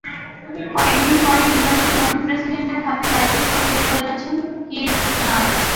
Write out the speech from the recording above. কয়েক দিন পরই নির্বাচিত নতুন প্রেসিডেন্টের হাতে দায়িত্ব সঁপে সরে যাচ্ছেন কির্চনার।